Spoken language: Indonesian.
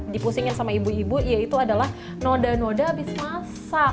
dipusingin sama ibu ibu yaitu adalah noda noda abis masak